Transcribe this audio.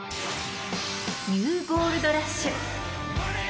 ニュー・ゴールドラッシュ。